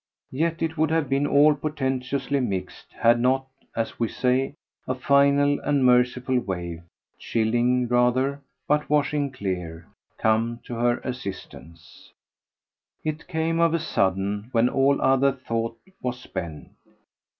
Yet it would have been all portentously mixed had not, as we say, a final and merciful wave, chilling rather, but washing clear, come to her assistance. It came of a sudden when all other thought was spent.